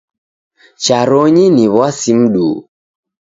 Chafronyi ni w'asi mduhu.